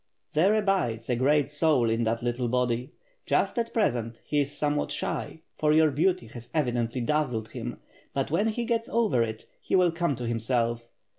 There abides a great soul in that little body. Just at present, he is somewhat shy, for your beauty has evidently dazzled him. But whcji he gets over it, he will come to himself.